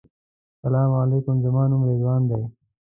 سلام علیکم زما نوم رضوان دی.